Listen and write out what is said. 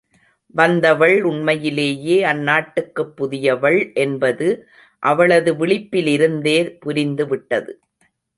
வந்தவள் உண்மையிலேயே அந்நாட்டுக்குப் புதியவள் என்பது அவளது விழிப்பிலிருந்தே புரிந்துவிட்டது.